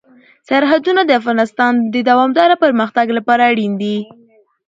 سرحدونه د افغانستان د دوامداره پرمختګ لپاره اړین دي.